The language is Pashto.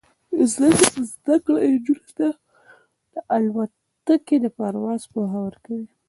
زده کړه نجونو ته د الوتکو د پرواز پوهه ورکوي.